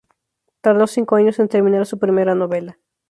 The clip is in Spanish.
Tardó cinco años en terminar su primera novela.